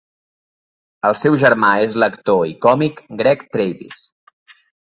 El seu germà és l'actor i còmic Greg Travis.